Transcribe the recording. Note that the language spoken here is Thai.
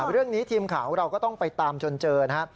เรื่องนี้ทีมข่าวของเราก็ต้องไปตามจนเจอนะครับ